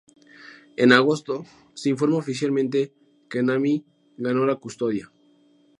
En agosto, se informa oficialmente que Namie ganó la custodia.